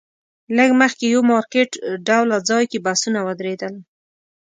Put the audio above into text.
لږ مخکې یو مارکیټ ډوله ځای کې بسونه ودرېدل.